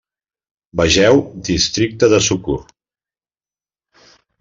Vegeu Districte de Sukkur.